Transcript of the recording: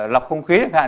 lọc không khí chẳng hạn